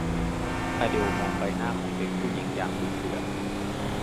อเดลมองใบหน้าของเด็กผู้หญิงอย่างดุเดือด